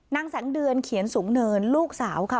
นางแสงเดือนเขียนสูงเนินลูกสาวค่ะ